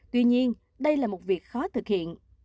tuy nhiên đây là một việc khó thực hiện